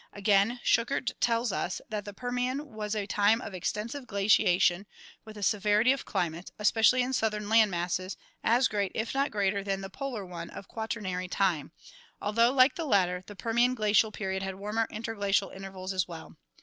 Again Schuchert tells us that the Permian was a time of extensive glaciation with a severity of climate, especially in the southern land masses, as great as if not greater than the polar one of Quaternary time, although, like the latter, the Permian glacial period had warmer intergladal intervals as well.